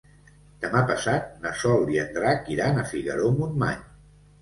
Demà passat na Sol i en Drac iran a Figaró-Montmany.